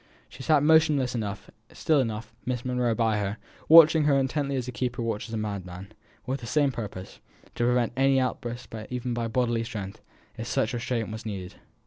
She sat motionless enough, still enough, Miss Monro by her, watching her as intently as a keeper watches a madman, and with the same purpose to prevent any outburst even by bodily strength, if such restraint be needed.